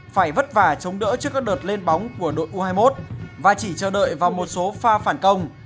phải vất vả chống đỡ trước các đợt lên bóng của đội u hai mươi một và chỉ chờ đợi vào một số pha phản công